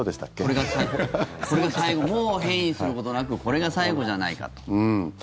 これが最後もう変異することなくこれが最後じゃないかと。